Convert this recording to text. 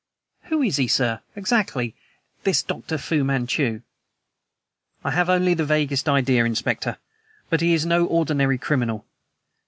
"Who is he, sir, exactly, this Dr. Fu Manchu?" "I have only the vaguest idea, Inspector; but he is no ordinary criminal.